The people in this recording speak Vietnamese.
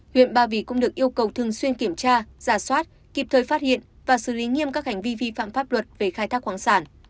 huyện ba vì cũng được yêu cầu thường xuyên kiểm tra giả soát kịp thời phát hiện và xử lý nghiêm các hành vi vi phạm pháp luật về khai thác khoáng sản